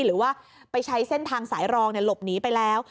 หรือว่าไปใช้เส้นทางสายรองหลบหนีไปแล้ว